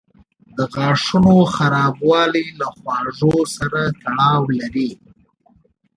د غاښونو خرابوالی له خواړو سره تړاو لري.